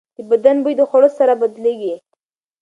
د بدن بوی د خوړو سره بدلېږي.